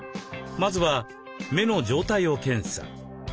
まずは目の状態を検査。